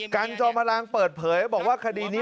จอมพลังเปิดเผยบอกว่าคดีนี้